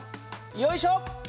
よいしょ。